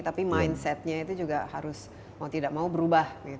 tapi mindsetnya itu juga harus mau tidak mau berubah